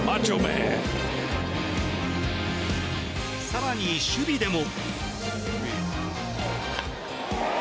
更に、守備でも。